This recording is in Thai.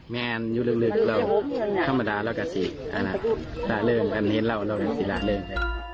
มีอะไรอยู่ลึกเราธรรมดาเรากัดสิหลายเรื่องกันเห็นเราเรากันสิหลายเรื่อง